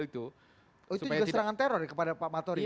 oh itu juga serangan teror kepada pak m tori waktu itu ya